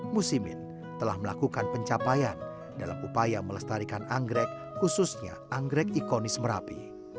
musimin telah melakukan pencapaian dalam upaya melestarikan anggrek khususnya anggrek ikonis merapi